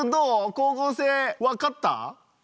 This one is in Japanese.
光合成わかった？